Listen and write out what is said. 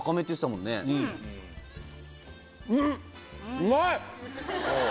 うまい！